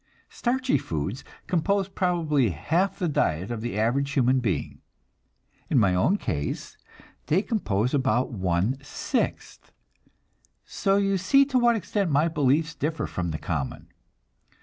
Starchy foods compose probably half the diet of the average human being. In my own case, they compose about one sixth, so you see to what extent my beliefs differ from the common.